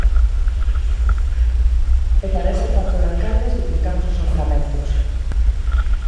E para ese pacto de alcaldes duplicamos os orzamentos.